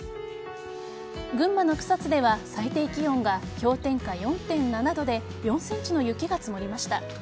群馬の草津では最低気温が氷点下４．７度で４ｃｍの雪が積もりました。